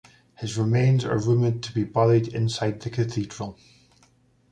His remains are rumoured to be buried inside the cathedral.